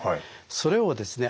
それをですね